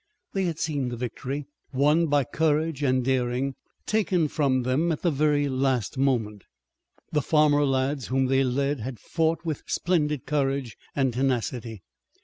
They had seen the victory, won by courage and daring, taken from them at the very last moment. The farmer lads whom they led had fought with splendid courage and tenacity.